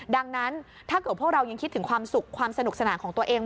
ดังนั้นถ้าเกิดพวกเรายังคิดถึงความสุขความสนุกสนานของตัวเอง